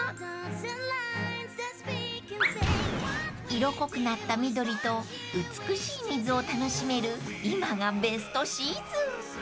［色濃くなった緑と美しい水を楽しめる今がベストシーズン］